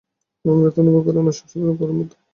কারণ আমিও ব্যথা অনুভব করি অন্যসব সাধারণ কুকুরের মতো।